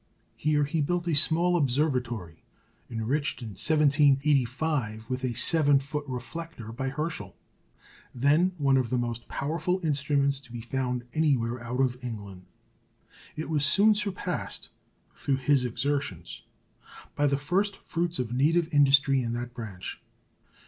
Here he built a small observatory, enriched in 1785 with a seven foot reflector by Herschel, then one of the most powerful instruments to be found anywhere out of England. It was soon surpassed, through his exertions, by the first fruits of native industry in that branch.